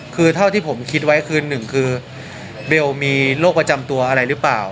คือเท่าที่ผมคิดไว้คือหนึ่งคือเบลมีโรคประจำตัวอะไรหรือเปล่า